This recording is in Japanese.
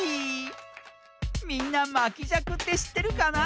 みんなまきじゃくってしってるかな？